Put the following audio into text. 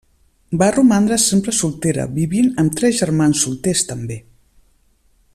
Va romandre sempre soltera vivint amb tres germans solters també.